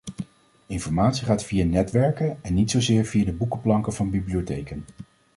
Informatie gaat via netwerken en niet zozeer via de boekenplanken van bibliotheken.